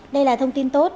đây là thông tin tốt